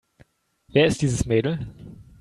Wer ist dieses Mädel?